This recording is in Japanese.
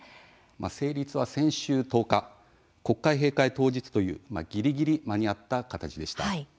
成立は先週１０日国会閉会当日というぎりぎり間に合った形でした。